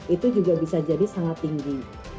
itu juga bisa jadi sangat tinggi